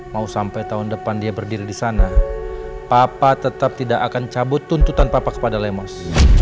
mau sampai tahun depan dia berdiri di sana papa tetap tidak akan cabut tuntutan papa kepada lemos